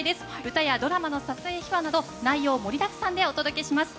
歌やドラマの撮影秘話など内容盛りだくさんでお届けします。